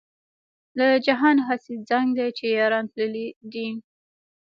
له جهانه هسې زنګ دی چې یاران تللي دي.